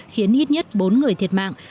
khiến ít nhất bốn người thiệt mạng